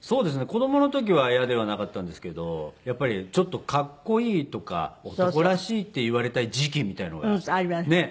子供の時は嫌ではなかったんですけどやっぱり「かっこいい」とか「男らしい」って言われたい時期みたいなのがねえ